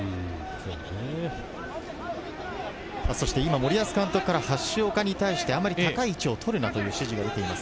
森保監督から橋岡に対してあまり高い位置を取るなという指示です。